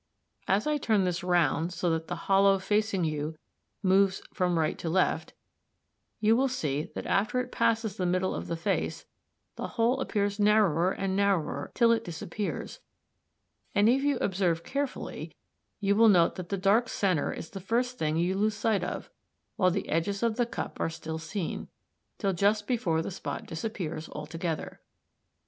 As I turn this round, so that the hollow facing you moves from right to left, you will see that after it passes the middle of the face, the hole appears narrower and narrower till it disappears, and if you observe carefully you will note that the dark centre is the first thing you lose sight of, while the edges of the cup are still seen, till just before the spot disappears altogether.